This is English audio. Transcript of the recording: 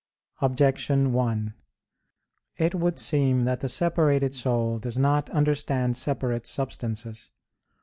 Objection 1: It would seem that the separated soul does not understand separate substances.